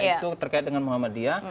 itu terkait dengan muhammadiyah